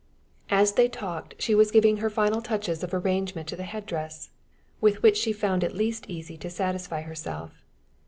As they talked, she was giving her final touches of arrangement to the head dress with which she found it least easy to satisfy herself.